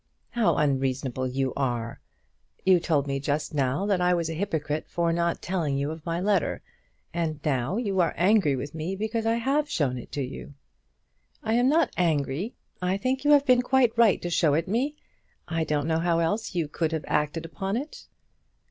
"How unreasonable you are! You told me just now that I was a hypocrite for not telling you of my letter, and now you are angry with me because I have shown it you." "I am not angry. I think you have been quite right to show it me. I don't know how else you could have acted upon it."